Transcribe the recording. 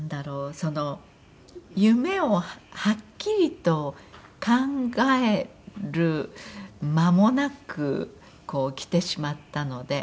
その夢をはっきりと考える間もなくきてしまったので。